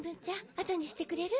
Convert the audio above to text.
あとにしてくれる？